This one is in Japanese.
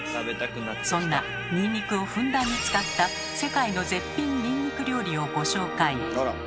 そんなニンニクをふんだんに使った世界の絶品ニンニク料理をご紹介。